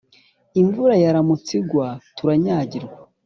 imvura yaramutse igwa turanyagirwa